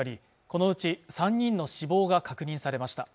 このうち３人の死亡が確認されました